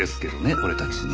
俺たちの。